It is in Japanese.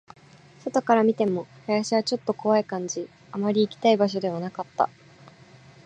外から見ても、林はちょっと怖い感じ、あまり行きたい場所ではなかった